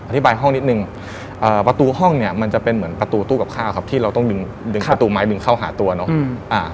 อธิบายห้องนิดนึงประตูห้องเนี่ยมันจะเป็นเหมือนประตูตู้กับข้าวครับที่เราต้องดึงดึงประตูไม้ดึงเข้าหาตัวเนาะ